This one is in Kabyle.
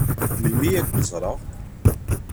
Melmi ad kem-ẓṛeɣ?